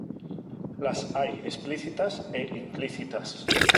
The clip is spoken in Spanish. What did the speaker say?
Las hay explícitas e implícitas.